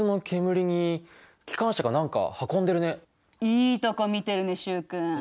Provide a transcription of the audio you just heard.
いいとこ見てるね習君。